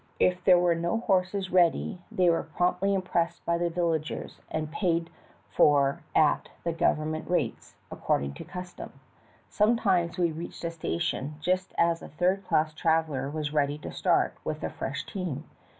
229 if there were no horses ready they were promptly impressed from the villagers, and paid for at the SIBEUIAN POST HORSES, government rates, aceording to custom. Some times we reached a station just as a third class traveler was ready to start with a fresh team.